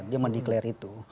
dia mendikler itu